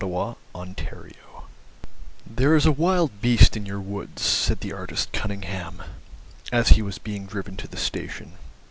GABRIEL ERNEST "There is a wild beast in your woods," said the artist Cunningham, as he was being driven to the station.